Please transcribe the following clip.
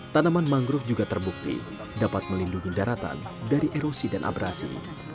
tanaman mangrove juga terbukti dapat melindungi daratan dari erosi dan abrasi